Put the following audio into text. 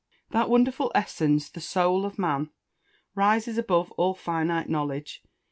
That wonderful essence, the Soul of man, rises above all finite knowledge.